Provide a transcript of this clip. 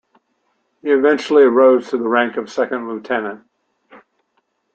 He eventually rose to the rank of second lieutenant.